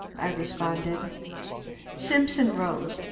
I responded. Simpson rose.